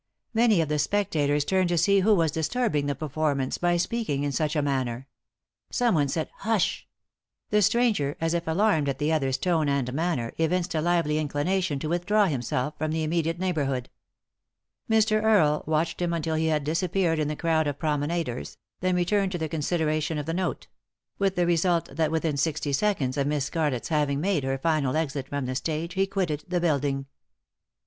Many of the specta tors turned to see who was disturbing the perform ance by speaking in such a manner. Someone said " Hush 1 " The stranger, as if alarmed at the other's tone and manner, evinced a lively inclination to with draw himself from the immediate neighbourhood. 233 3i 9 iii^d by Google THE INTERRUPTED KISS Mr. Earle watched him until he had disappeared in the crowd of promenade™, then returned to the considera tion of the note; with the result that within sixty seconds of Miss Scarlett's having made her final exit from the stage he quitted the building.